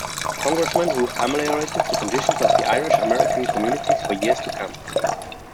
Congressman who ameliorated the conditions of the Irish-American communities for years to come.